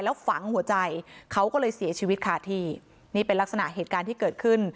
แล้วฝังหัวใจเขาก็เลยเสียชีวิตคาที่นี่เป็นลักษณะเหตุการณ์ที่เกิดขึ้น